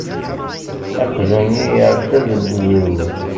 Aqjun-nni iεedda-d deg uzrug.